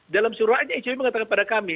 dalam suruhannya icw mengatakan pada kami